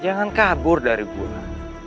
jangan kabur dari gua